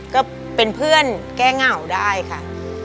ก็เป็นเพื่อนแก้เหงาได้ค่ะ